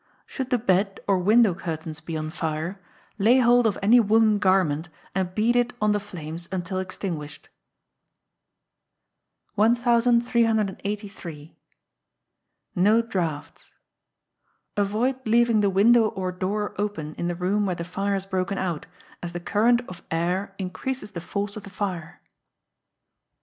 Should the Bed or Window Curtains be on fire, lay hold of any woollen garment, and beat it on the flames until extinguished. 1383. No Draughts. Avoid leaving the Window Or Door open in the room where the fire has broken out, as the current of air increases the force of the fire.